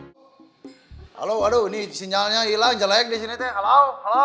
halo halo waduh ini sinyalnya hilang jelek disini kalau dimana